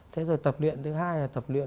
thế rồi tập luyện thứ hai là tập luyện